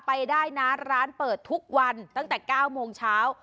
ไปได้นะร้านเปิดทุกวันตั้งแต่๙โมงเช้า